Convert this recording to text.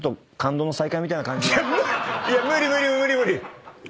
無理無理無理無理！